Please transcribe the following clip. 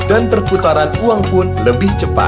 dan perputaran uang pun lebih cepat